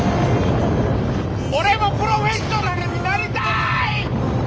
俺もプロフェッショナルになりたい！